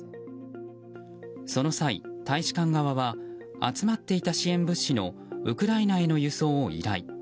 その際、大使館側は集まっていた支援物資のウクライナへの輸送を依頼。